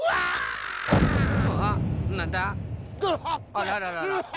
あらららら。